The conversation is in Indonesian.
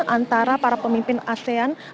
antara para pemimpin asean